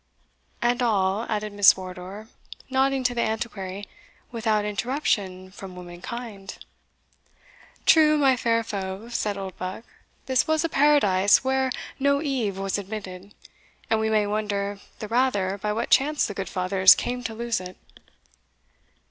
"And all," added Miss Wardour, nodding to the Antiquary, "without interruption from womankind." "True, my fair foe," said Oldbuck; "this was a paradise where no Eve was admitted, and we may wonder the rather by what chance the good fathers came to lose it."